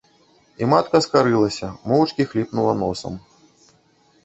І матка скарылася, моўчкі хліпнула носам.